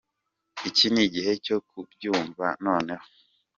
Iki ni gihe cyo kubyumva noneho.”